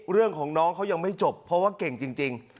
เรื่องของน้องเขายังไม่จบเพราะว่าเก่งจริง